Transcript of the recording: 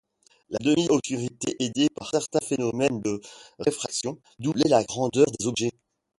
La demi-obscurité, aidée par certains phénomènes de réfraction, doublait la grandeur des objets.